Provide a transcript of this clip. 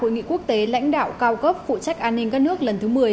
hội nghị quốc tế lãnh đạo cao cấp phụ trách an ninh các nước lần thứ một mươi